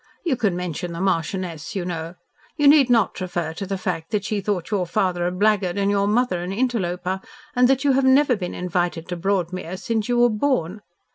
You can mention the Marchioness, you know. You need not refer to the fact that she thought your father a blackguard and your mother an interloper, and that you have never been invited to Broadmere since you were born.